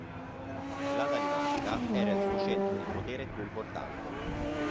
La Danimarca era il suo centro di potere più importante.